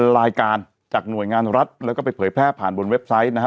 รายการจากหน่วยงานรัฐแล้วก็ไปเผยแพร่ผ่านบนเว็บไซต์นะฮะ